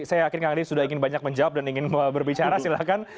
saya yakin kang deddy sudah ingin banyak menjawab dan ingin berbicara silahkan